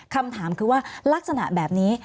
คำถามคือว่าลักษณะแบบนี้